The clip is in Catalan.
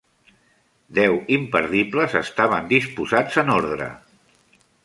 Deu imperdibles estaven disposats en ordre.